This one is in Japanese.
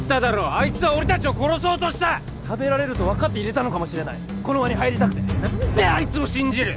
あいつは俺達を殺そうとした食べられると分かって入れたのかもしれないこの輪に入りたくて何であいつを信じる？